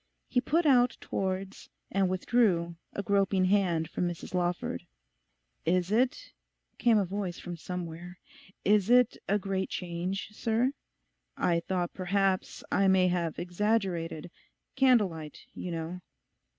He put out towards, and withdrew, a groping hand from Mrs Lawford. 'Is it,' came a voice from somewhere, 'is it a great change, sir? I thought perhaps I may have exaggerated—candle light, you know.